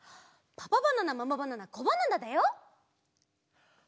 パパバナナママバナナコバナナ！